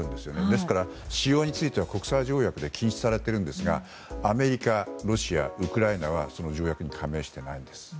ですから、使用については国際条約で禁止されているんですがアメリカ、ロシア、ウクライナはその条約に加盟していないんです。